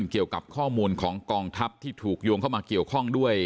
เกี่ยวกับข้อมูลของกองทัพที่ถูกโยงเข้ามาเกี่ยวข้องด้วย